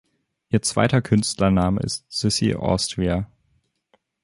Ihr zweiter Künstlername ist „Sissy Austria“.